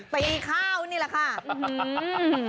ตีข้าวนี่แหละค่ะ